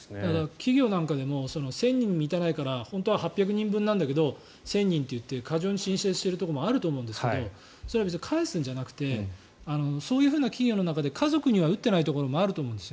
企業なんかでも１０００人に満たないから本当は８００人分だけど１０００人と言って過剰に申請しているところもあると思うんですけどそれは別に返すんじゃなくてそういう企業の中で家族には打っていないところもあると思うんです。